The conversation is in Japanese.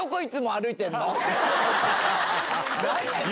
何やねん！